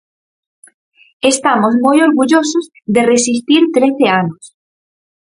Estamos moi orgullosos de resistir trece anos.